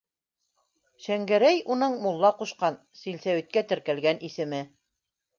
Шәңгәрәй - уның мулла ҡушҡан, силсәүиткә теркәлгән исеме.